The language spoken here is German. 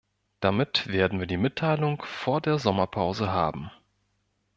Damit werden wir die Mitteilung vor der Sommerpause haben.